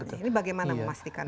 ini bagaimana memastikan